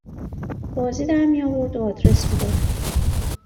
بازی در می آورد و آدرس می داد